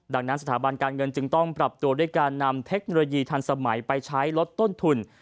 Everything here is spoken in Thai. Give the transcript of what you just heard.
ดังนั้นสถาบันการเงินจึงต้องปรับตัวด้วยการนำเทคโนโลยีทันสมัยไปใช้ลดต้นทุน